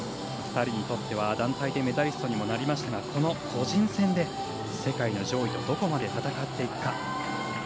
２人にとっては団体でメダリストにもなりましたがこの個人戦で世界の上位とどこまで戦っていくか。